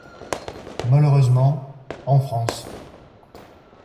Malheureusement, en France.